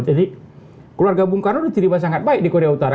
jadi keluarga bung karno itu terima sangat baik di korea utara